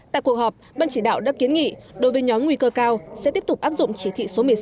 tại cuộc họp ban chỉ đạo đã kiến nghị đối với nhóm nguy cơ cao sẽ tiếp tục áp dụng chỉ thị số một mươi sáu